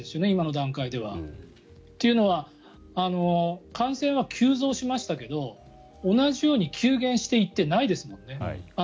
今の段階では。というのは感染は急増しましたけど同じように急減していってないですもんね。